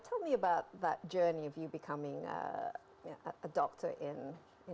oke mari kita berehat sedikit steven